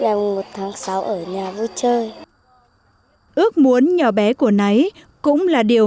làm một tháng sáu ở nhà vui chơi ước muốn nhỏ bé của náy cũng là điều